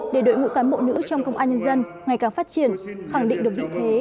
để đội ngũ cán bộ nữ trong công an nhân dân ngày càng phát triển khẳng định được vị thế